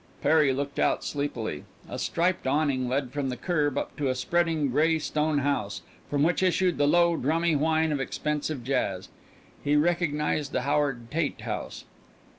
Perry looked out sleepily. A striped awning led from the curb up to a spreading gray stone house, from which issued the low drummy whine of expensive jazz. He recognized the Howard Tate house.